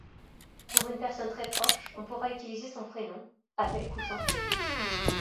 Pour une personne très proche, on pourra utiliser son prénom, avec ou sans suffixe.